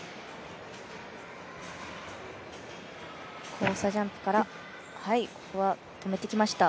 交差ジャンプから止めてきました。